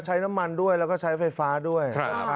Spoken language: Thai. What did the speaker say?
ใช้น้ำมันด้วยแล้วก็ใช้ไฟฟ้าด้วย